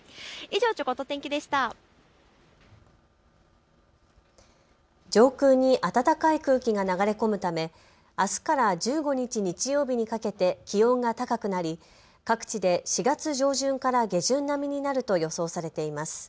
上空に暖かい空気が流れ込むためあすから１５日日曜日にかけて気温が高くなり各地で４月上旬から下旬並みになると予想されています。